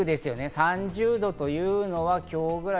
３０度というのは今日ぐらい。